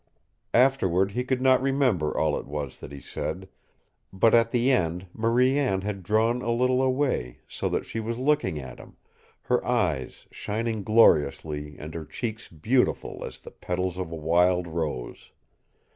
Afterward he could not remember all it was that he said, but at the end Marie Anne had drawn a little away so that she was looking at him, her eyes shining gloriously and her cheeks beautiful as the petals of a wild rose.